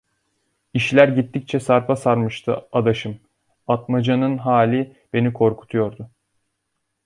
İşler gittikçe sarpa sarmıştı adaşım, Atmaca'nın hali beni korkutuyordu.